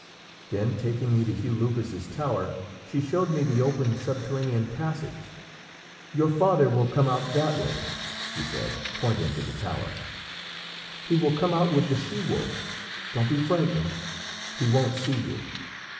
Then taking me to Hugh Lupus's tower she showed me the open subterranean passage. 'Your father will come out that way,' she said, pointing to the tower; 'he will come out with the she wolf; don't be frightened, he won't see you.'